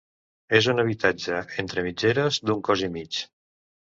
És un habitatge entre mitgeres d'un cos i mig.